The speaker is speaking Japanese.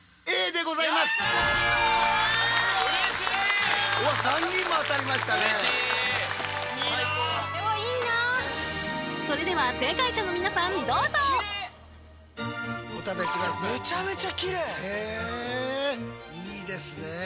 えいいですね。